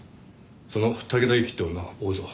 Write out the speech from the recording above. その竹田ユキって女を追うぞ。